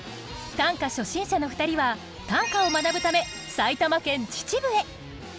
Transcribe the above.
短歌初心者の２人は短歌を学ぶため埼玉県秩父へ。